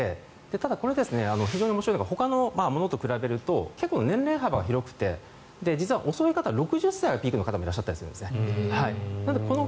ただこれは非常に面白いのがほかのものと比べると結構、年齢幅が広くて遅い方だと６０歳がピークの方もいらっしゃったりするんです。